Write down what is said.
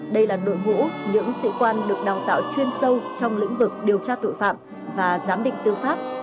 đây là đội ngũ những sĩ quan được đào tạo chuyên sâu trong lĩnh vực điều tra tội phạm và giám định tư pháp